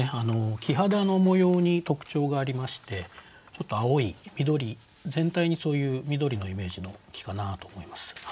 木肌の模様に特徴がありましてちょっと青い緑全体にそういう緑のイメージの木かなと思います。